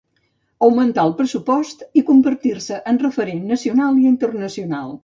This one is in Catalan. Augmentar el pressupost i convertir-se en referent nacional i internacional.